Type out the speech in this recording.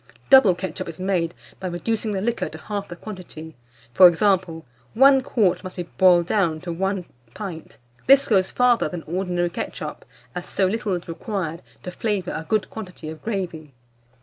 Double ketchup is made by reducing the liquor to half the quantity; for example, 1 quart must be boiled down to 1 pint. This goes farther than ordinary ketchup, as so little is required to flavour a good quantity of gravy.